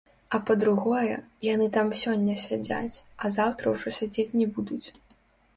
А па-другое, яны там сёння сядзяць, а заўтра ўжо сядзець не будуць.